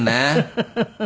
フフフフ。